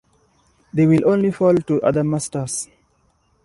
They will only fall to other masters.